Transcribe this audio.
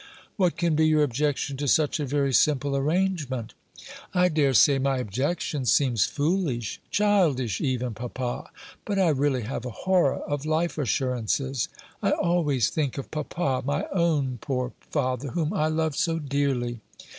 "What can be your objection to such a very simple arrangement?" "I dare say my objection seems foolish, childish even, papa; but I really have a horror of life assurances. I always think of papa my own poor father, whom I loved so dearly.